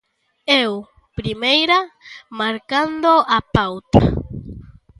eu, primeira, marcando a pauta.